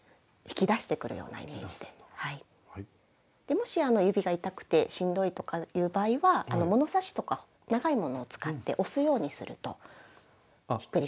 もし指が痛くてしんどいとかいう場合は物差しとか長いものを使って押すようにするとひっくり返しやすいです。